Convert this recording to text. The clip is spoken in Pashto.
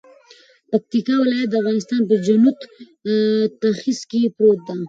پکتيا ولايت د افغانستان په جنوت ختیځ کی پروت ده